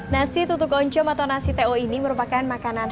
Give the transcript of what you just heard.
nasi tutuk oncom atau nasi to ini merupakan makanan